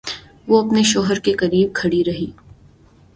وہ اپنے شوہر سے قریب کھڑی رہی